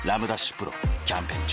丕劭蓮キャンペーン中